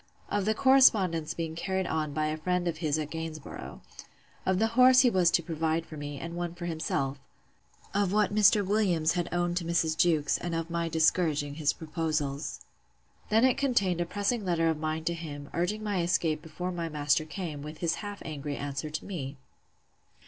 Of the correspondence being carried on by a friend of his at Gainsborough. Of the horse he was to provide for me, and one for himself. Of what Mr. Williams had owned to Mrs. Jewkes; and of my discouraging his proposals. Then it contained a pressing letter of mine to him, urging my escape before my master came; with his half angry answer to me.